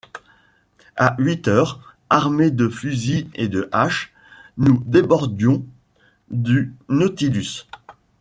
À huit heures, armés de fusils et de haches, nous débordions du Nautilus.